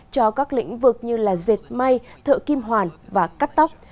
cho các lĩnh vực như dệt may thợ kim hoàn và cắt tóc